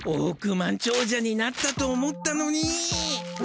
万長者になったと思ったのに！